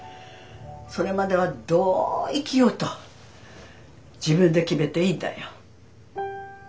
それまではどう生きようと自分で決めていいんだよ。